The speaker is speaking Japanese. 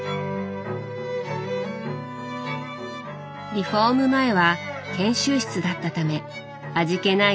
リフォーム前は研修室だったため味気ない